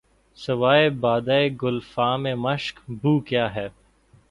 سوائے بادۂ گلفام مشک بو کیا ہے